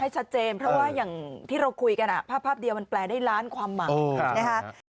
ชัดเจนเพราะว่าอย่างที่เราคุยกันภาพเดียวมันแปลได้ล้านความหมายนะคะ